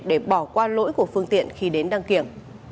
để bỏ qua lỗi của phương tiện khi đến đăng kiểm